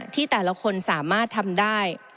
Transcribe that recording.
ที่แต่ละคนสามารถทำได้